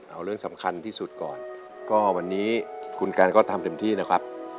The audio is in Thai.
เอาเรื่องสำคัญที่สุดก่อนก็วันนี้คุณกันก็ทำเต็มที่นะครับ